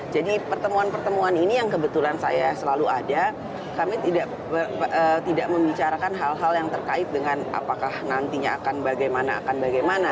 jadi pertemuan pertemuan ini yang kebetulan saya selalu ada kami tidak membicarakan hal hal yang terkait dengan apakah nantinya akan bagaimana akan bagaimana